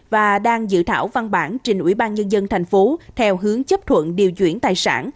và đang dự thảo văn bản trên ủy ban nhân dân tp hcm theo hướng chấp thuận điều chuyển tài sản